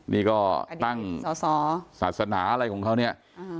นี่ก็ตั้งสอสอศาสนาอะไรของเขาเนี่ย